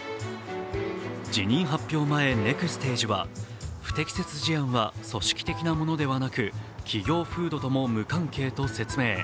辞任発表前、ネクステージは不適切事案は組織的なものではなく企業風土とも無関係と説明。